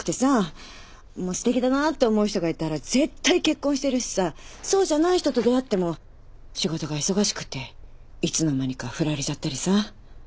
すてきだなって思う人がいたら絶対結婚してるしさそうじゃない人と出会っても仕事が忙しくていつの間にか振られちゃったりさ。